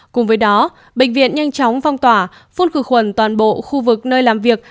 cùng với đó bệnh viện nhanh chóng phong tỏa phun khử khuẩn toàn bộ khu vực nơi làm việc